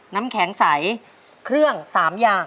น้ำแข็งใสเครื่อง๓อย่าง